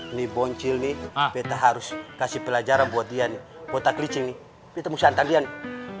ini boncil nih betah harus kasih pelajaran buat dia nih otak licing nih kita mau santai dia nih